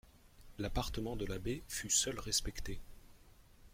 L'appartement de l'abbé fut seul respecté.